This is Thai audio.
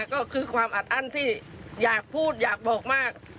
ก็คือความอัดอั้นที่อยากพูดอยากบอกมาก